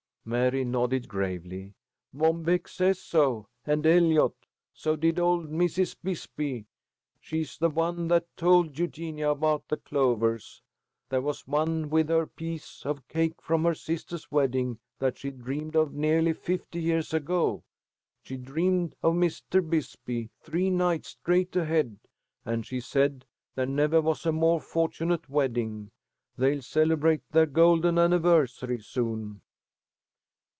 Mary nodded gravely. "Mom Beck says so, and Eliot. So did old Mrs. Bisbee. She's the one that told Eugenia about the clovers. There was one with her piece of cake from her sister's wedding, that she dreamed on nearly fifty years ago. She dreamed of Mr. Bisbee three nights straight ahead, and she said there never was a more fortunate wedding. They'll celebrate their golden anniversary soon."